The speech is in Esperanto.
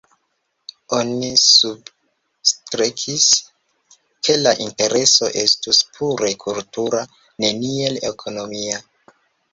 Oni substrekis ke la intereso estus pure kultura, neniel ekonomia.